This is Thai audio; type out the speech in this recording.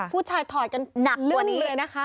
ถอยกันหนักกว่านี้เลยนะคะ